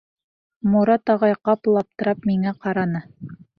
Морат ағай ҡапыл аптырап миңә ҡараны.